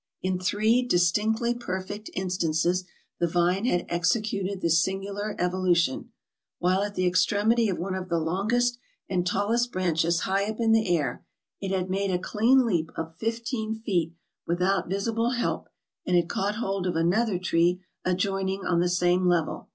In three distinctly perfect instances the vine had ex ecuted this singular evolution, while at the extremity of one of the longest and tallest branches high up in the air it had made a clean leap of fifteen feet without visible help and had caught hold of another tree adjoining on the same level.